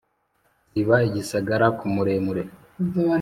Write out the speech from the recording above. ziba igisagara ku muremure